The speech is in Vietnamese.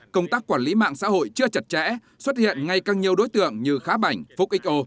công tác quản lý mạng xã hội chưa chặt chẽ xuất hiện ngay càng nhiều đối tượng như khá bảnh phúc xo